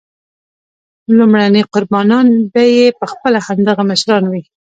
لومړني قربانیان به یې پخپله همدغه مشران وي.